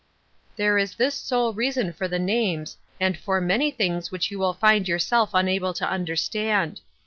" There is this sole reason for the names, and for many things which you will find ^oiuself un able to understand.